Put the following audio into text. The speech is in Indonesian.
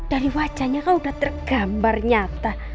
dari wajahnya kan udah tergambar nyata